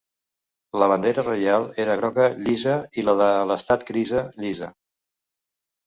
La bandera reial era groga llisa i la de l'estat grisa llisa.